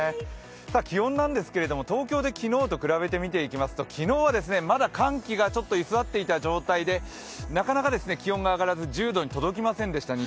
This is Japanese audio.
気温なんですけれども、東京で昨日と比べて見ていきますと昨日は、まだ寒気がちょっと居座っていた状態で、なかなか気温が上がらず、日中も１０度に届きませんでした。